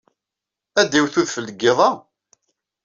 Ad d-iwet udfel deg yiḍ-a?